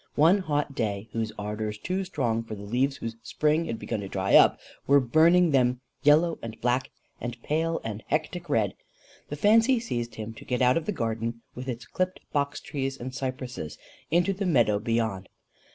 One hot day, whose ardours, too strong for the leaves whose springs had begun to dry up, were burning them "yellow and black and pale and hectic red," the fancy seized him to get out of the garden with its clipt box trees and cypresses, into the meadow beyond.